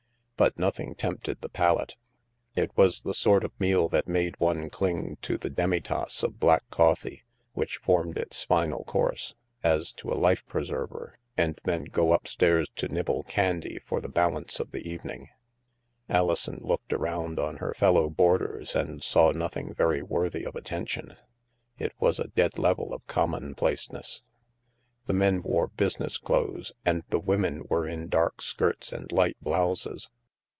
But nothing tempted the palate. It was the sort of meal that made one cling to the demi tasse of black coffee (which formed its final course) as to a life preserver, and then go upstairs to nibble candy for the balance of the evening. Alison looked around on her fellow boarders and saw nothing very worthy of attention; it was a dead level of commonplaceness. The men wore business clothes, and the women were in dark skirts and light blouses.